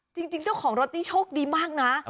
จริงเจ้าของรถนี่โชคดีมากนะ